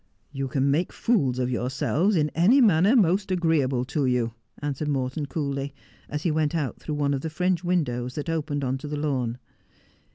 'You can make fools of yourselves in any manner most agree able to you,' answered Morton coolly, as he went out through one of the French windows that opened on to the lawn.